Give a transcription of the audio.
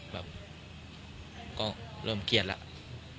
แบบก็เริ่มเครียดแล้ว